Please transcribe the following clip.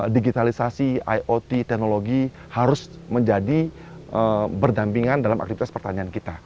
digitalisasi iot teknologi harus menjadi berdampingan dalam aktivitas pertanian kita